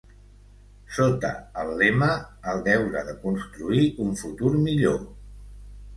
Sota el lema El deure de construir un futur millor.